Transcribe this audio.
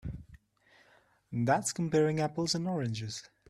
That's comparing apples and oranges.